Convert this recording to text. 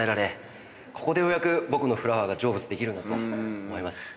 ここでようやく僕の『フラワー』が成仏できるんだと思います。